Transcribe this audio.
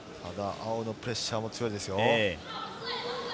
青のプレッシャーも強いですよ。